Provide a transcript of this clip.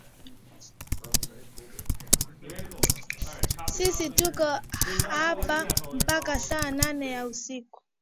Sisi tuko hapa mpaka saa nane ya usiku